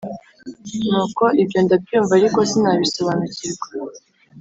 Nuko ibyo ndabyumva ariko sinabisobanukirwa